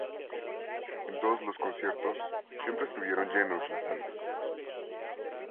En todos los conciertos siempre estuvieron llenas las salas.